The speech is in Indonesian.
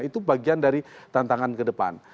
itu bagian dari tantangan kedepan